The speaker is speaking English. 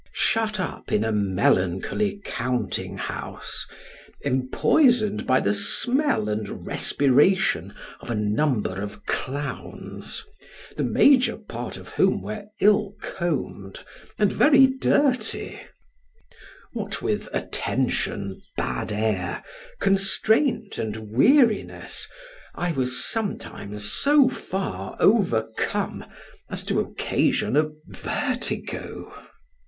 Shut up in a melancholy counting house, empoisoned by the smell and respiration of a number of clowns, the major part of whom were ill combed and very dirty, what with attention, bad air, constraint and weariness, I was sometimes so far overcome as to occasion a vertigo.